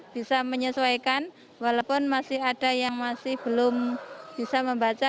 bisa menyesuaikan walaupun masih ada yang masih belum bisa membaca